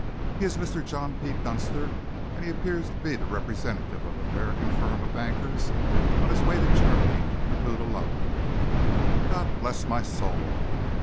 He is a Mr. John P. Dunster, and he appears to be the representative of an American firm of bankers, on his way to Germany to conclude a loan." "God bless my soul!"